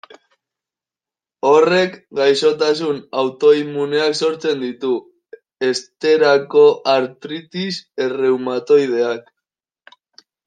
Horrek gaixotasun autoimmuneak sortzen ditu, esterako artritis erreumatoideak.